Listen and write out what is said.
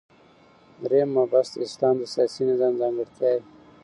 دریم مبحث : د اسلام د سیاسی نظام ځانګړتیاوی